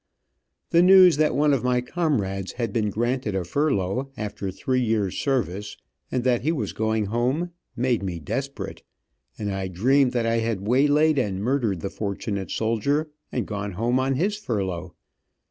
The news that one of my comrades had been granted a furlough, after three years' service, and that he was going home, made me desperate, and I dreamed that I had waylaid and murdered the fortunate soldier, and gone home on his furlough.